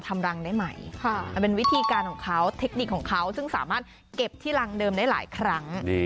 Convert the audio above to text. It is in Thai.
ทำรังได้ไหมมันเป็นวิธีการของเขาเทคนิคของเขาซึ่งสามารถเก็บที่รังเดิมได้หลายครั้ง